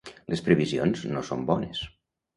Les previsions no són bones.